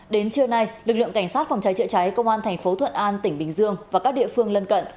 đến trưa nay lực lượng cảnh sát phòng cháy chữa cháy công an thành phố thuận an tỉnh bình dương và các địa phương lân cận